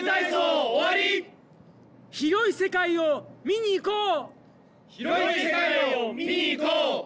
広い世界を見にいこう！